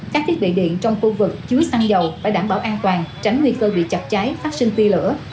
các thiết bị điện trong khu vực chứa xăng dầu phải đảm bảo an toàn tránh nguy cơ bị chặt cháy phát sinh pi lửa